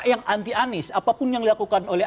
yang anti anies apapun yang dilakukan oleh